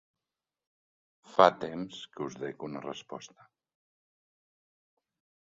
Fa temps que us dec una resposta.